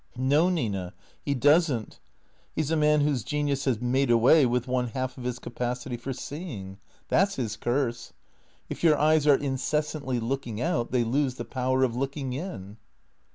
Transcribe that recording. " No, Nina, he does n't. He 's a man whose genius has made away with one half of his capacity for seeing. That's his THECEEATOES 183 curse ! If your eyes are incessantly looking out they lose the power of looking in."